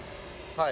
はい。